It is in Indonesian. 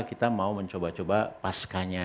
kita mau mencoba coba pascanya